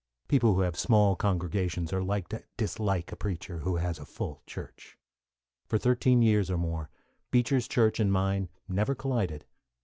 People who have small congregations are apt to dislike a preacher who has a full church. For thirteen years, or more, Beecher's church and mine never collided.